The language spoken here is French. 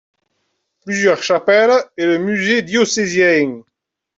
Plusieurs chapelles et le Musée Diocésain.